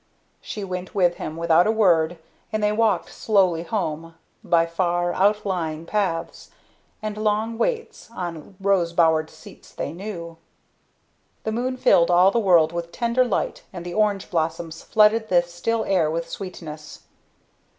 She went with him, without a word, and they walked slowly home, by far outlying paths, and long waits on rose bowered seats they knew. The moon filled all the world with tender light and the orange blossoms flooded the still air with sweetness.